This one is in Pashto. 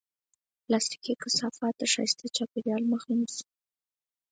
پلاستيکي کثافات د ښایسته چاپېریال مخه نیسي.